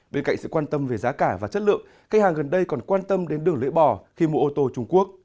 bên cạnh sự quan tâm về giá cả và chất lượng khách hàng gần đây còn quan tâm đến đường lưỡi bò khi mua ô tô trung quốc